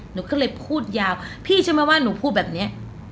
หนูก็เลยพูดยาวพี่เชื่อไหมว่าหนูพูดแบบนี้